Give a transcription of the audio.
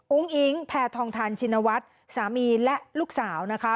อุ้งอิ๋งแพลทองทานชิณวัชสามีและลูกสาวนะคะ